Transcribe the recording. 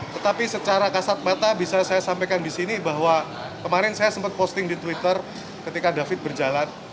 tetapi secara kasat mata bisa saya sampaikan di sini bahwa kemarin saya sempat posting di twitter ketika david berjalan